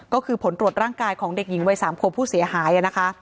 ก็คือผลตรวจร่างกายของเด็กหญิงวัย๓ขวบผู้เสียหายนะคะ